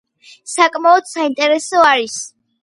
საკმაოდ საინტერესო არის.